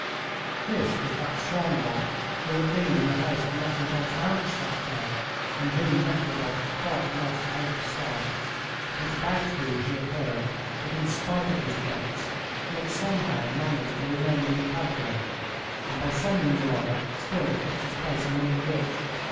This was that Schonbock who had been in the house of Nekhludoff's aunts that day, and whom Nekhludoff had quite lost out of sight, but about whom he had heard that in spite of his debts he had somehow managed to remain in the cavalry, and by some means or other still kept his place among the rich.